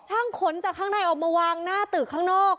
ขนจากข้างในออกมาวางหน้าตึกข้างนอก